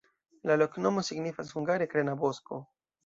La loknomo signifas hungare: krena-bosko.